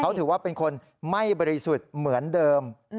เขาถือว่าเป็นคนไม่บริสุทธิ์เหมือนเดิม